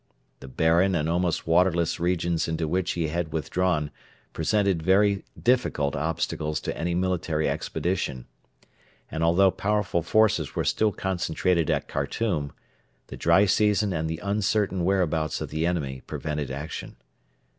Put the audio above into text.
The barren and almost waterless regions into which he had withdrawn presented very difficult obstacles to any military expedition, and although powerful forces were still concentrated at Khartoum, the dry season and the uncertain whereabouts of the enemy prevented action.